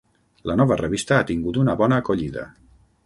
La nova revista ha tingut una bona acollida.